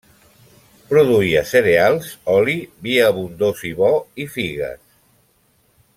Produïa cereals, oli, vi abundós i bo i figues.